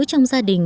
trong gia đình